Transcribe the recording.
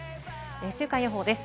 週間予報です。